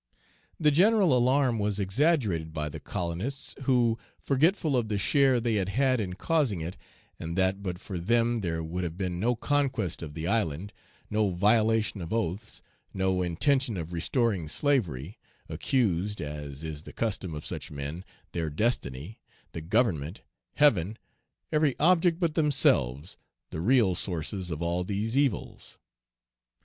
The general alarm was exaggerated by the colonists, who, forgetful of the share they had had in causing it, and that but for them there would have been no conquest of the island, no violation of oaths, no intention of restoring slavery, accused (as is the custom of such men) their destiny, the Government, Heaven, every object but themselves, the real sources of all these evils.